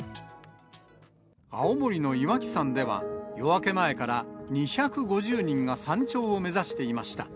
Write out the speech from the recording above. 青森の岩木山では、夜明け前から２５０人が山頂を目指していました。